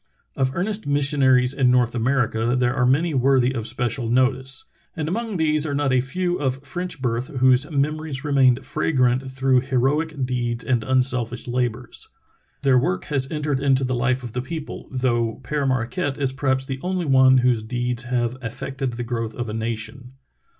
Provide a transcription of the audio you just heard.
Of earnest mis sionaries in North America there are many worthy of special notice, and among these are not a few of French birth whose memories remain fragrant through heroic deeds and unselfish labors. Their work has entered into the life of the people, though Pere Marquette is perhaps the only one whose deeds have affected the growth of a nation.